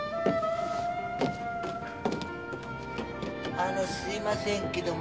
あのすいませんけども。